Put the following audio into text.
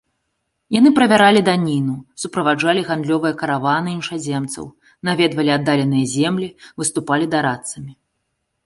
Яны правяралі даніну, суправаджалі гандлёвыя караваны і іншаземцаў, наведвалі аддаленыя землі, выступалі дарадцамі.